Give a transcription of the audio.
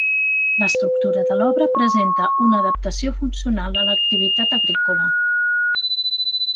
L'estructura de l'obra presenta una adaptació funcional a l'activitat agrícola.